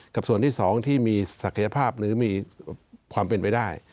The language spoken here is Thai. กับส่วนที่๒ที่มีศักยภาพหรือมีความเป็นไปได้